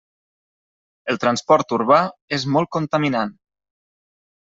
El transport urbà és molt contaminant.